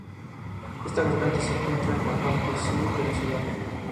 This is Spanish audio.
Esta garganta se encuentra en la parte sur de la ciudad.